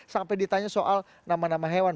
sampai ditanya soal nama nama hewan